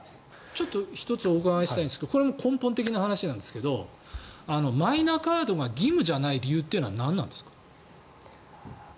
ちょっと１つ、お伺いしたいんですが根本的な話なんですがマイナカードが義務じゃない理由はなんなんですか？